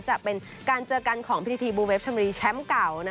จะเป็นการเจอกันของพิธีบูเวฟชมรีแชมป์เก่า